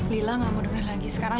lila gak mau denger lagi sekarang